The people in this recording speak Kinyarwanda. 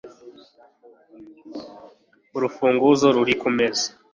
urufunguzo ruri kumeza